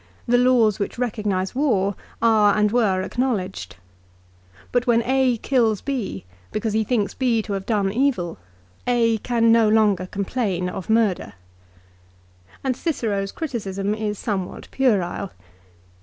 The laws which recognise war are and were acknowledged. But when A kills B, because he thinks B to have done evil, 1 Ad Dir. lib. x. 27. 268 LIFE OF CICERO. A can no longer complain of murder. And Cicero's criticism is somewhat puerile.